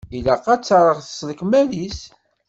Ilaq ad terɣ s lekmal-is.